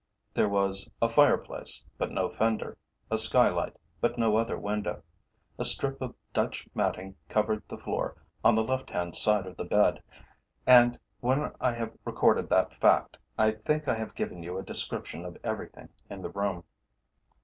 There was a fire place, but no fender; a skylight, but no other window. A strip of Dutch matting covered the floor on the left hand side of the bed, and when I have recorded that fact, I think I have given you a description of everything in the room.